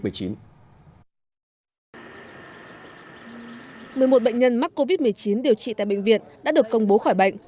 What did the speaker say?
một mươi một bệnh nhân mắc covid một mươi chín điều trị tại bệnh viện đã được công bố khỏi bệnh